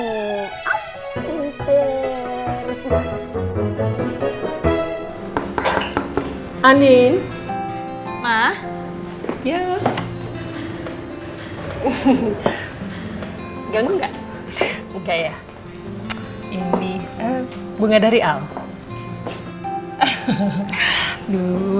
syukurlah kalo gitu berarti masalah kamu sama al udah selesai ya